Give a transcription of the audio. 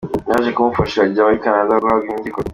Yaje kumufasha ajya muri Canada guhabwa impyiko.